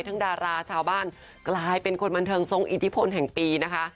ดาราชาวบ้านกลายเป็นคนบันเทิงทรงอิทธิพลแห่งปีนะคะ